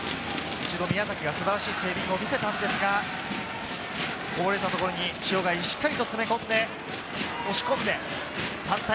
一度、宮崎が素晴らしいセービングを見せたんですが、こぼれたところに塩貝、しっかりと詰め込んで、押し込んで、３対１。